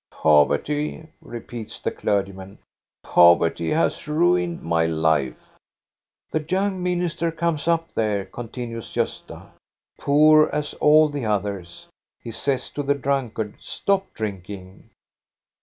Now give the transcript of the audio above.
" Poverty," repeats the clergyman, —" poverty has ruined my life." " The young minister comes up there," continues Gosta, "poor as all the others. He says to the drunkard : Stop drinking